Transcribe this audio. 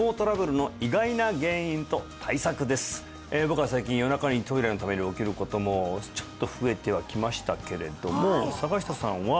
僕は最近夜中にトイレのために起きることもちょっと増えてはきましたけれども坂下さんは？